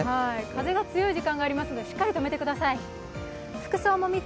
風が強い時間がありますのでしっかりとめてください。